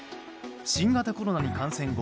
新型コロナに感染後